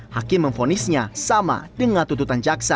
hakim memfonisnya sama dengan tuntutan jaksa